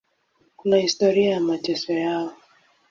Kuna historia ya mateso yao.